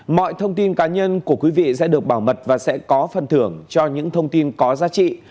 mọi thông tin cá nhân của quý vị sẽ được bảo mật và sẽ có phần thưởng cho những thông tin có giá trị